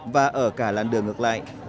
và ở cả làn đường ngược lại